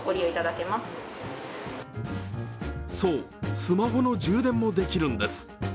そう、スマホの充電もできるんです。